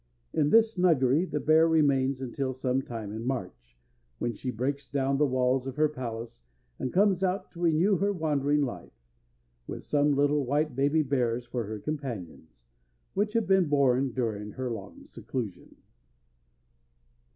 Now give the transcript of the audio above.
In this snuggery the bear remains until some time in March, when she breaks down the walls of her palace, and comes out to renew her wandering life, with some little white baby bears for her companions, which have been born during her long seclusion.